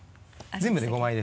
全部で５枚？